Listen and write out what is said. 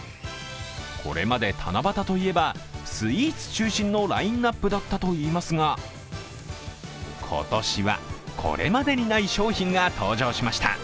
これまで、七夕といえばスイーツ中心のラインナップだったといいますが今年は、これまでにない商品が登場しました。